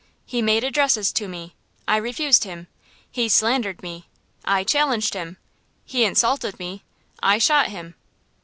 He made addresses to me. I refused him. He slandered me. I challenged him. He insulted me. I shot him!"